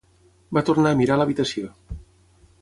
Va tornar a mirar a l'habitació.